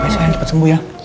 baik sayang cepet sembuh ya